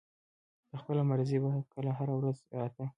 پۀ خپله مرضۍ به کله هره ورځ راتۀ